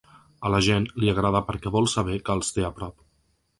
A la gent li agrada perquè vol saber que els té a prop.